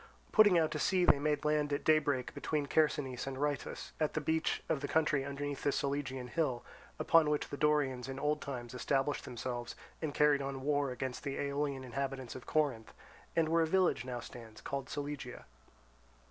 Putting out to sea they made land at daybreak between Chersonese and Rheitus, at the beach of the country underneath the Solygian hill, upon which the Dorians in old times established themselves and carried on war against the Aeolian inhabitants of Corinth, and where a village now stands called Solygia.